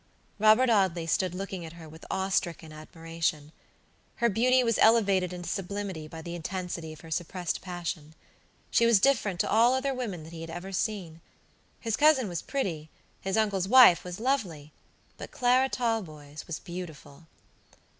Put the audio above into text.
Robert Audley stood looking at her with awe stricken admiration. Her beauty was elevated into sublimity by the intensity of her suppressed passion. She was different to all other women that he had ever seen. His cousin was pretty, his uncle's wife was lovely, but Clara Talboys was beautiful.